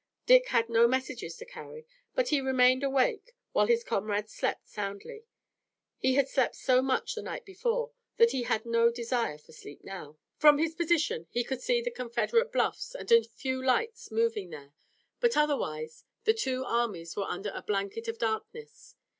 Dick had no messages to carry, but he remained awake, while his comrades slept soundly. He had slept so much the night before that he had no desire for sleep now. From his position he could see the Confederate bluffs and a few lights moving there, but otherwise the two armies were under a blanket of darkness.